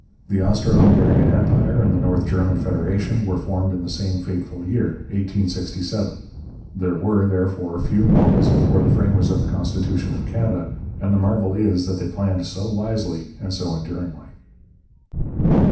The Austro Hungarian Empire and the North German Federation were formed in the same fateful year, 1867. There were, therefore, few models before the framers of the constitution of Canada, and the marvel is that they planned so wisely and so enduringly.